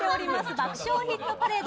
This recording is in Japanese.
「爆笑ヒットパレード」。